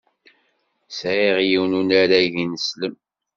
Sɛiɣ yiwen unarag ineslem.